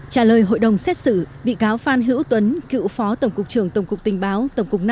trả lời hội đồng xét xử bị cáo phan hữu tuấn cựu phó tổng cục trưởng tổng cục tình báo tổng cục năm